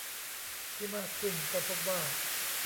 ที่มากขึ้นก็พบว่า